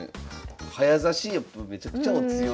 早指しやっぱめちゃくちゃお強い。